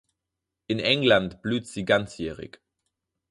In England blüht sie ganzjährig.